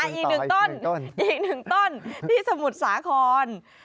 อีกหนุ่มต้นที่สมุดสหคร